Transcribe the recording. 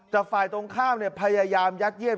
เจ้าฝ่ายตรงข้ามพยายามยัดเย็บ